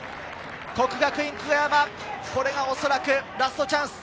國學院久我山、これがおそらくラストチャンス。